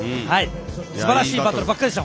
すばらしいバトルばっかりでした。